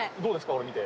これ見て。